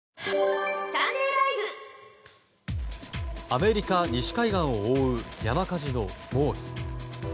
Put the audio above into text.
アメリカ西海岸を襲う山火事の猛威。